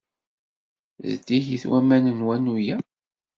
Zeddigit waman n wanu-a?